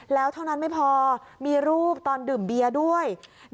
แล้วเท่านั้นไม่พอมีรูปตอนดื่มเบียร์ด้วย